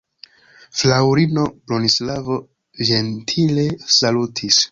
Fraŭlino Bronislavo ĝentile salutis.